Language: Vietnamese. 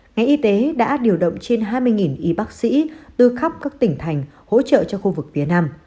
ngành y tế đã điều động trên hai mươi y bác sĩ từ khắp các tỉnh thành hỗ trợ cho khu vực phía nam